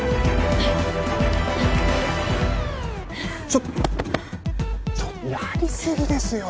ちょっとやり過ぎですよ。